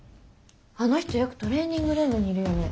あの人よくトレーニングルームにいるよね。